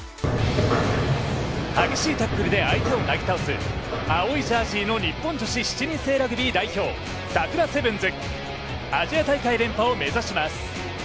激しいタックルで相手をなぎ倒す青いジャージーの日本女子７人制ラグビーサクラセブンズ、アジア大会連覇を目指します。